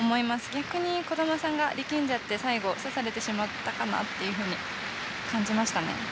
逆に兒玉さんが、力んじゃって最後、差されてしまったかなと感じましたね。